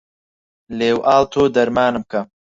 لێو ئاڵ تۆ دەرمانم کە